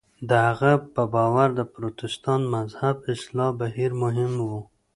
د هغه په باور د پروتستان مذهب اصلاح بهیر مهم و.